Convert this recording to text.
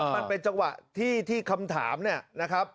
มันเป็นจังหวะที่ที่คำถามนะครับ